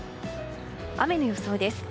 雨の予想です。